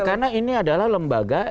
karena ini adalah lembaga